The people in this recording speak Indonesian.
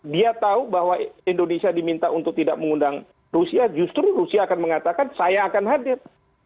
dia tahu bahwa indonesia diminta untuk tidak mengundang rusia justru rusia akan mengatakan saya akan hadir